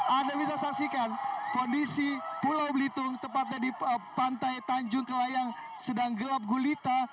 anda bisa saksikan kondisi pulau belitung tepatnya di pantai tanjung kelayang sedang gelap gulita